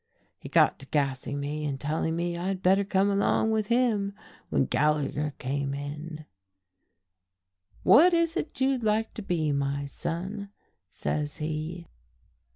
He got to gassing me, and telling me I'd better come along with him, when Gallagher came in. 'What is it ye'd like to be, my son?' says he.